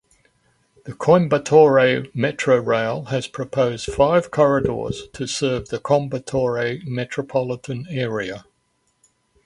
The Coimbatore Metro Rail has proposed five corridors to serve the Coimbatore metropolitan area.